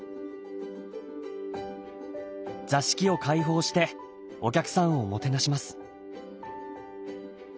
座敷を開放してお客さんをもてなします。